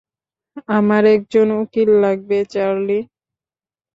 আমার একজন উকিল লাগবে, চার্লি।